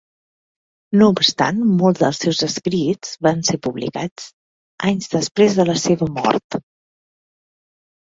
No obstant molts dels seus escrits van ser publicats anys després de la seva mort.